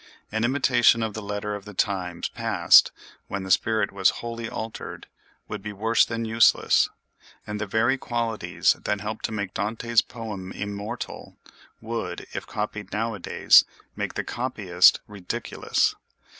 An imitation of the letter of the times past, when the spirit has wholly altered, would be worse than useless; and the very qualities that help to make Dante's poem immortal would, if copied nowadays, make the copyist ridiculous.